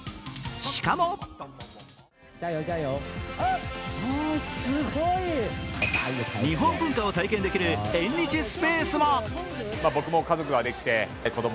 しかも日本文化を体験できる縁日スペースも。